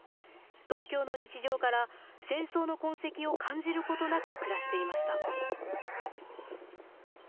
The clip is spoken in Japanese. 東京の日常から戦争の痕跡を感じることなく暮らしていました。